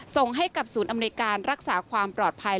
ส่งให้กับศูนย์อำนวยการรักษาความปลอดภัย